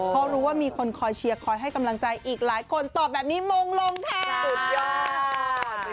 เพราะรู้ว่ามีคนคอยเชียร์คอยให้กำลังใจอีกหลายคนตอบแบบนี้มงลงค่ะสุดยอด